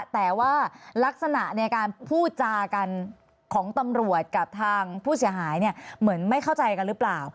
แต่ว่าลักษณะในการพูดจากันของตำรวจกับทางผู้เสียหายเนี่ยเหมือนไม่เข้าใจกันหรือเปล่า